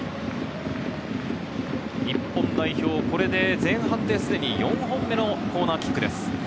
日本代表、これで前半ですでに４本目のコーナーキックです。